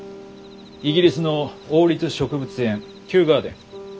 イギリスの王立植物園キューガーデン